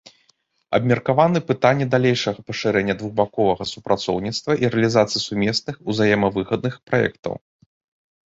Абмеркаваны пытанні далейшага пашырэння двухбаковага супрацоўніцтва і рэалізацыі сумесных узаемавыгадных праектаў.